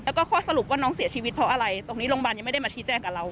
แล้วก็ข้อสรุปว่าน้องเสียชีวิตเพราะอะไรตรงนี้โรงพยาบาลยังไม่ได้มาชี้แจงกับเรา